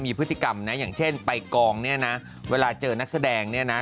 มีพฤติกรรมนะอย่างเช่นไปกองเนี่ยนะเวลาเจอนักแสดงเนี่ยนะ